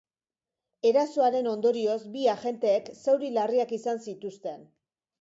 Erasoaren ondorioz bi agenteek zauri larriak izan zituzten.